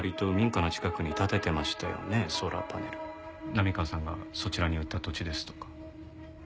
波川さんがそちらに売った土地ですとか。